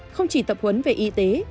không chỉ tập huấn về y tế